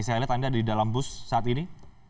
saya lihat anda di dalam bus saat ini